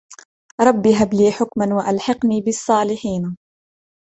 رب هب لي حكما وألحقني بالصالحين